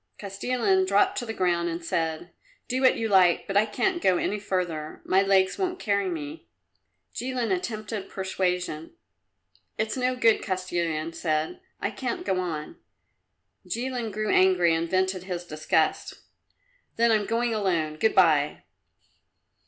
Kostilin dropped to the ground and said, "Do what you like, but I can't go any further. My legs won't carry me." Jilin attempted persuasion. "It's no good," Kostilin said; "I can't go on." Jilin grew angry and vented his disgust. "Then I'm going alone good bye."